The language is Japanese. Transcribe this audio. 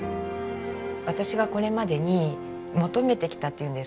私がこれまでに求めてきたっていうんですかね